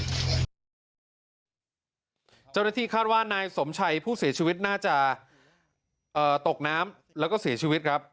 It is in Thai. เฉลี่ยเกษีทรที่คาดว่านายสมชายศ์ผู้เสียชีวิต